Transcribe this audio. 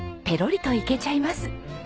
ペロリといけちゃいます。